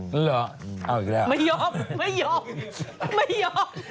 หรือเอาอีกแล้วไม่ยอม